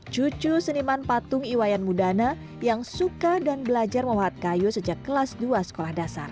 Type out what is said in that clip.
cucu seniman patung iwayan mudana yang suka dan belajar memahat kayu sejak kelas dua sekolah dasar